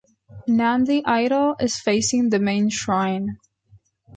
Nandi idol is facing the main shrine.